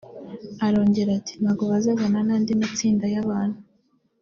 Arongera ati “Ntabwo bazazana n’andi matsinda y’abantu